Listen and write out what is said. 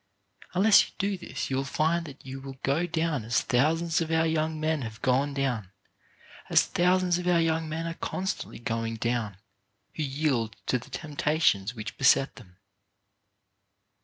Unless you do this you will find that you will go down as thousands of our young men have gone down — as thousands of our young men are constantly going down — who yield to the temptations which beset them.